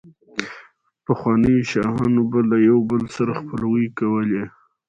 پخوانو شاهانو به له يو بل سره خپلوۍ کولې،